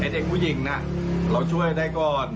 เด็กผู้หญิงน่ะเราช่วยได้ก่อน